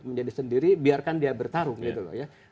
menjadi sendiri biarkan dia bertarung gitu loh ya